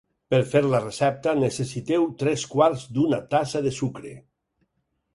Per fer la recepta, necessiteu tres quarts d'una tassa de sucre.